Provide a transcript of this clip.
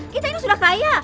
kita ini sudah kaya